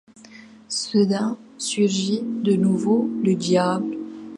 Soudain surgit, de nouveau, le Diable.